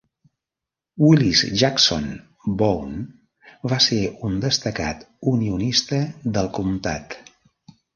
Willis Jackson Bone va ser un destacat unionista del comtat.